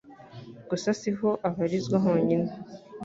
Gusa si ho abarizwa honyine